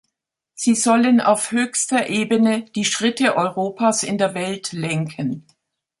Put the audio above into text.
Sie sollen auf höchster Ebene die Schritte Europas in der Welt lenken.